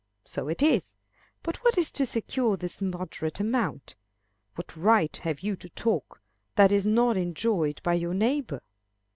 So it is. But what is to secure this moderate amount? What right have you to talk that is not enjoyed by your neighbor?